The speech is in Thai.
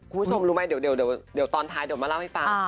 คุณผู้ชมรู้ไหมเดี๋ยวตอนท้ายเดี๋ยวมาเล่าให้ฟัง